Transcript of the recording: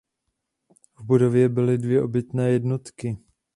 V budově byly dvě obytné jednotky.